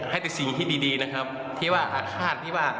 ให้แต่สิ่งที่ดีนะครับที่ว่าอาฆาตที่ว่า